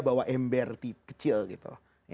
membawa ember kecil gitu